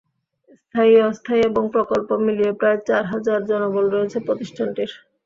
স্থায়ী, অস্থায়ী এবং প্রকল্প মিলিয়ে প্রায় চার হাজার জনবল রয়েছে প্রতিষ্ঠানটির।